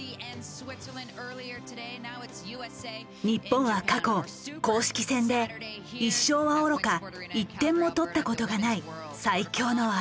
日本は過去公式戦で１勝はおろか１点も取ったことがない最強の相手だ。